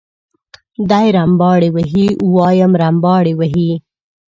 دی رمباړې وهي وایم رمباړې وهي.